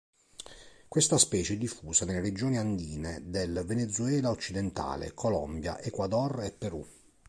Questa specie è diffusa nelle regioni andine del Venezuela occidentale, Colombia, Ecuador e Perù.